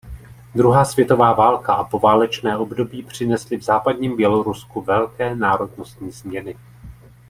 Druhá světová válka a poválečné období přinesly v západním Bělorusku velké národnostní změny.